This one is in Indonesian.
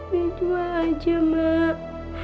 beli jual aja mak